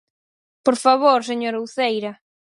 ¡Por favor, señora Uceira!